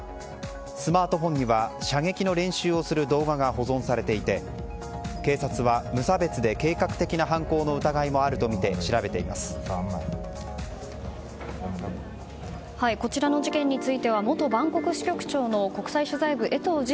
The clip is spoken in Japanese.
スマートフォンには射撃の練習をする動画が保存されていて警察は、無差別的で計画的な犯行の疑いもあるとみてこちらの事件については元バンコク支局長の国際取材部江藤仁